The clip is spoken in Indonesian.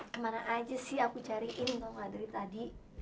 kemana aja sih aku cariin untuk madri tadi